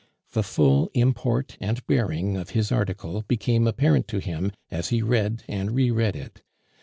The full import and bearing of his article became apparent to him as he read and re read it.